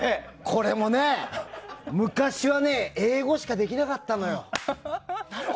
これも昔は英語しかできなかったのよ。